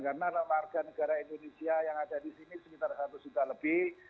karena warga negara indonesia yang ada di sini sekitar seratus juta lebih